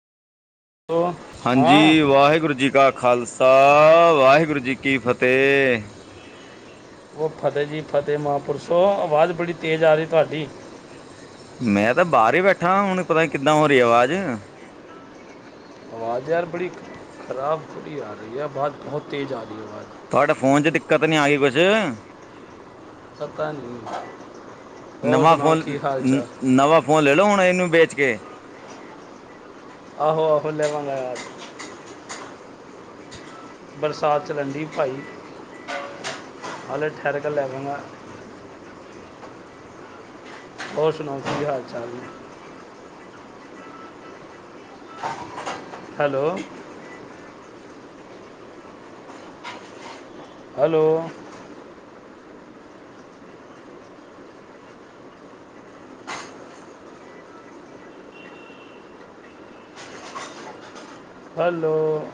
ਸੋ ਹਾਂ ਹਾਂਜੀ ਵਾਹਿਗੁਰੂ ਜੀ ਕਾ ਖ਼ਾਲਸਾ, ਖਾਲਸਾ ਵਾਹਿਗੁਰੂ ਜੀ ਕੀ ਫਤਿਹ ਉਹ ਫਤਿਹ ਜੀ ਫਤਿਹ ਮਹਾਂਪੁਰਸ਼ੋ ਆਵਾਜ਼ ਬੜੀ ਤੇਜ਼ ਆ ਰਹੀ ਤੁਹਾਡੀ, ਮੈਂ ਤਾਂ ਬਾਹਰ ਹੀ ਬੈਠਾ ਹੁਣ ਪਤਾ ਨਹੀਂ ਕਿੱਦਾਂ ਹੋ ਰਹੀ ਆਵਾਜ਼। ਆਵਾਜ਼ ਯਾਰ ਬੜੀ ਖਰਾਬ ਥੋੜ੍ਹੀ ਆ ਰਹੀ ਹੈ ਬਾਹਰ ਬਹੁਤ ਤੇਜ਼ ਆ ਰਹੀ ਹੈ ਆਵਾਜ਼। ਤੁਹਾਡੇ ਫੋਨ 'ਚ ਦਿੱਕਤ ਨਹੀਂ ਆ ਗਈ ਕੁਛ? ਪਤਾ ਨਹੀਂ। ਹੋਰ ਨਵਾਂ ਸੁਣਾਓ ਫੋਨ ਕੀ ਹਾਲ ਚਾਲ ਨਵਾਂ ਫੋਨ ਲੈ ਲਓ ਹੁਣ ਇਹਨੂੰ ਵੇਚ ਕੇ ਆਹੋ, ਆਹੋ ਲੈਵਾਂਗਾ ਯਾਰ। ਬਰਸਾਤ ਚ ਰੈਂਡੀ ਭਾਈ ਹਲੇੇ ਠਹਿਰ ਕੇ ਲੈਵਗਾ। ਹੋਰ ਸੁਣਾਓ, ਕੀ ਹਾਲ ਚਾਲ ਨੇ? Hello hello hello